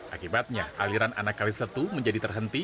akibatnya aliran anak kalis letuh menjadi terhenti